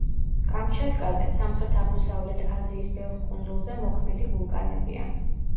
კამჩატკაზე, სამხრეთ-აღმოსავლეთ აზიის ბევრ კუნძულზე მოქმედი ვულკანებია.